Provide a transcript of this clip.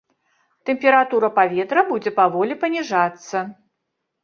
Тэмпература паветра будзе паволі паніжацца.